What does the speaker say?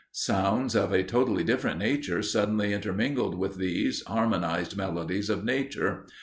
Sounds of a totally different nature suddenly intermingled with these harmonized melodies of nature.